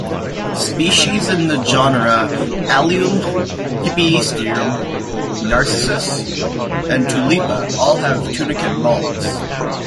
Species in the genera "Allium", "Hippeastrum", "Narcissus", and "Tulipa" all have tunicate bulbs.